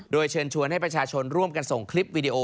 โดยเชิญชวนให้ประชาชนร่วมกันส่งคลิปวิดีโอ